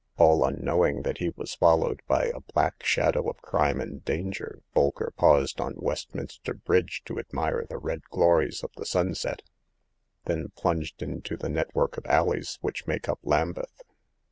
All unknowing that he was fol lowed by a black shadow of crime and danger, Bolker paused on Westminster Bridge to admire the red glories of the sunset ; then plunged into the network of alleys which make up Lambeth.